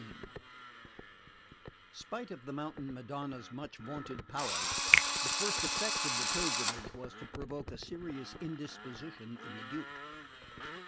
2.13. Spite of the Mountain Madonna's much vaunted powers, the first effect of the pilgrimage was to provoke a serious indisposition in the Duke.